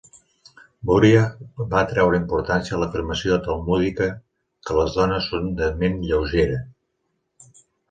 Buriah va treure importància a l'afirmació talmúdica que les dones són "de ment lleugera".